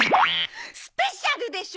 スペシャルでしょ！